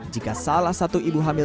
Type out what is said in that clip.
jika salah satu ibu hamil